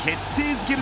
づける